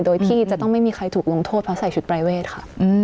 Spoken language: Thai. โดยที่จะต้องไม่มีใครถูกลงโทษเพราะใส่ชุดปรายเวทค่ะ